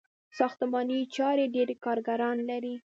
ساختماني چارې ډیر کارګران لري.